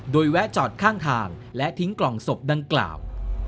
โดยแวะจอดข้างทางและทิ้งกล่องศพดังกล่าว